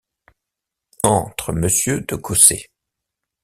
Entre Monsieur de Cossé.